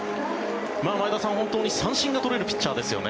前田さん、本当に三振が取れるピッチャーですよね。